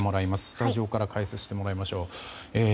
スタジオから解説してもらいましょう。